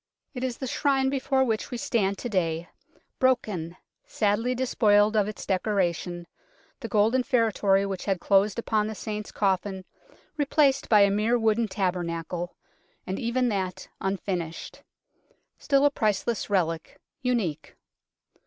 It is the SHRINE OF EDWARD THE CONFESSOR 47 Shrine before which we stand to day, broken, sadly despoiled of its decoration, the golden feretory which had closed upon the Saint's coffin replaced by a mere wooden tabernacle, and even that unfinished ; still a priceless relic, unique.